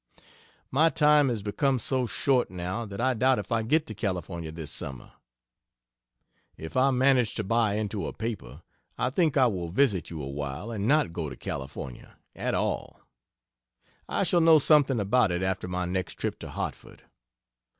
My time is become so short, now, that I doubt if I get to California this summer. If I manage to buy into a paper, I think I will visit you a while and not go to Cal. at all. I shall know something about it after my next trip to Hartford.